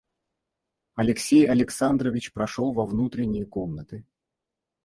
Алексей Александрович прошел во внутренние комнаты.